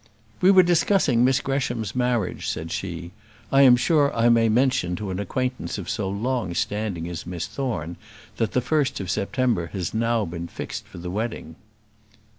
"We were discussing Miss Gresham's marriage," said she; "I am sure I may mention to an acquaintance of so long standing as Miss Thorne, that the first of September has been now fixed for the wedding."